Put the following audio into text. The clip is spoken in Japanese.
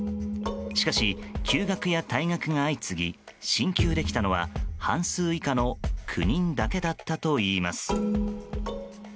しかし、休学や退学が相次ぎ進級できたのは半数以下の９人だけだったといいます。